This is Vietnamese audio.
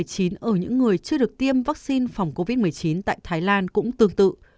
các chuyên gia cảnh báo số người mắc covid một mươi chín chưa được tiêm vaccine phòng covid một mươi chín tại thái lan cũng tương tự